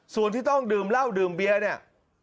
ส่วนที่ต้องดื่มเหล้าดื่มเบียร์เนี่ย